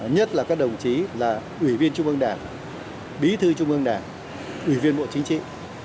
nhất là các đồng chí là ủy viên trung ương đảng bí thư trung ương đảng ủy viên bộ chính trị